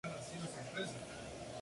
Santiago Bal.